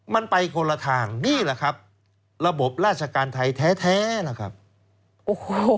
มันไปคนละทางนี่แหละครับระบบราชการไทยแท้แท้ล่ะครับโอ้โห